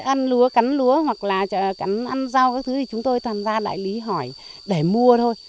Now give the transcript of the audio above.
ăn lúa cắn lúa hoặc là cắn ăn rau các thứ thì chúng tôi toàn ra đại lý hỏi để mua thôi